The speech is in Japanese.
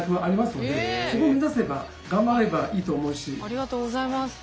ありがとうございます。